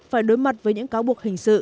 phải đối mặt với những cáo buộc hình sự